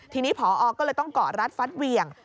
ทีนี้พอออก็เลยต้องกอดรัดฟัดเวียง